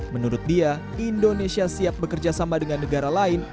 menurut dia indonesia siap bekerjasama dengan negara lain